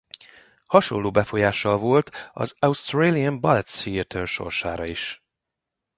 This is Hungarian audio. Hasonló befolyással volt az Australian Ballet Theater sorsára is.